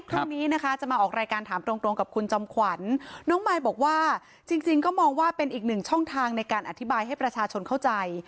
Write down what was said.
พรุ่งนี้นะคะจะมาออกรายการถามตรงตรงกับคุณจอมขวัญน้องมายบอกว่าจริงก็มองว่าเป็นอีกหนึ่งช่องทางในการอธิบายให้ประชาชนเข้าใจ